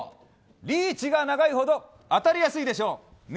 リーチが長いほど当たりやすいでしょう。